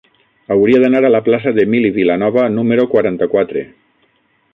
Hauria d'anar a la plaça d'Emili Vilanova número quaranta-quatre.